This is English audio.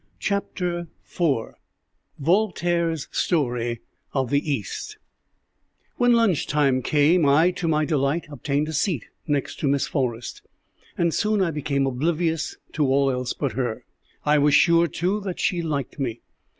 CHAPTER IV VOLTAIRE'S STORY OF THE EAST When lunch time came, I, to my delight, obtained a seat next to Miss Forrest, and soon I became oblivious to all else but her. I was sure, too, that she liked me.